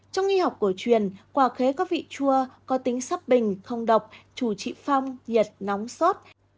trong y học cổ truyền quà khế có vị chua có tính sắp bình không độc chủ trị phong nhiệt nóng sốt